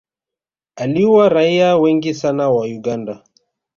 aliua raia wengi sana wa uganda